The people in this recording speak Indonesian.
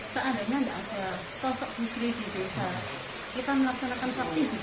seandainya ada sosok bu sri di desa kita melaksanakan partai juga